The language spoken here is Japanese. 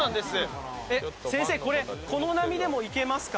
先生、この波でもいけますか？